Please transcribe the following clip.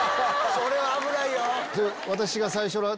それは危ないよ！